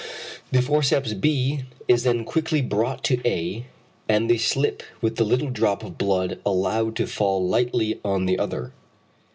The forceps b is then quickly brought to a and the slip with the little drop of blood allowed to fall lightly on the other.